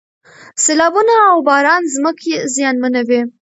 سیلابونه او باران ځمکې زیانمنوي.